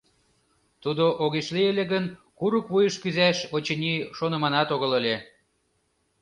Тудо огеш лий ыле гын, курык вуйыш кӱзаш, очыни, шоныманат огыл ыле.